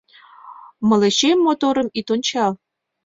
Мылечем моторым ит ончал: